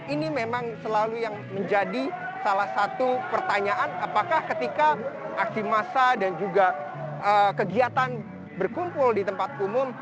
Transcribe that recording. ini memang selalu yang menjadi salah satu pertanyaan apakah ketika aksi massa dan juga kegiatan berkumpul di tempat umum